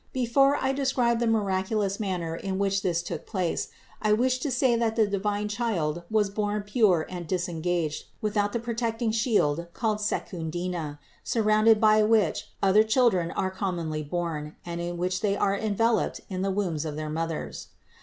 Before I describe the miraculous manner in which this took place, I wish to say that the divine Child was born pure and disengaged, without the protecting shield called secundina, surrounded by which other children are com monly born, and in which they are enveloped in the wombs of their mothers.